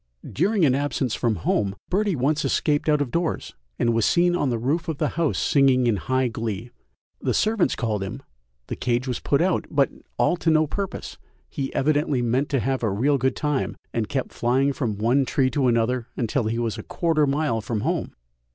During an absence from home, Birdie once escaped out of doors, and was seen on the roof of the house singing in high glee; the servants called him, the cage was put out, but all to no purpose, he evidently meant to have "a real good time," and kept flying from one tree to another until he was a quarter of a mile from home.